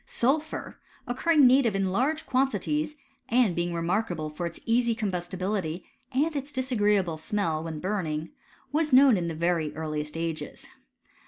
Sulphur occurring native in large quantities, and being remarkable for its easy combustibility, and its disagreeable smell when burning, was known in the very earliest ages.